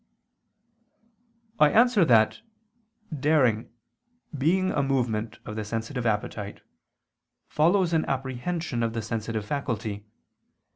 I answer that, Daring, being a movement of the sensitive appetite, follows an apprehension of the sensitive faculty.